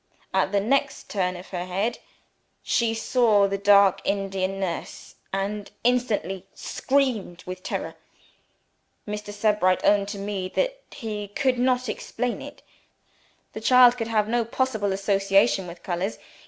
At the next turn of her head, she saw the dark Indian nurse and instantly screamed with terror. Mr. Sebright owned to me that he could not explain it. The child could have no possible association with colors.